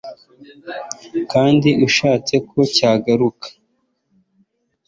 kandi ushatse ko cyagaruka